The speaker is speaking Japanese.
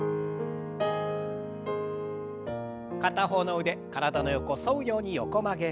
片方の腕体の横沿うように横曲げ。